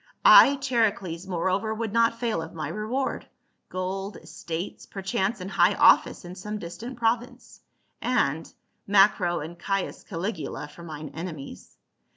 I, Charicles, moreover would not fail of my reward, gold, estates, perchance an high office in some distant province, and — Macro and Caius Caligula for mine enemies.